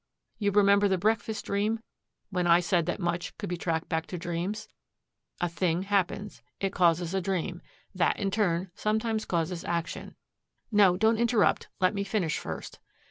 You remember the breakfast dream, when I said that much could be traced back to dreams? A thing happens. It causes a dream. That in turn sometimes causes action. No, don't interrupt. Let me finish first.